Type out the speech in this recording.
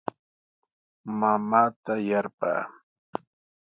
Mamaata yarpaa.